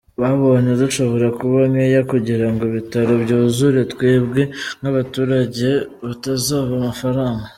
Babonye zishobora kuba nkeya kugira ngo ibitaro byuzure, twebwe nk’abaturage batubaza amafaranga.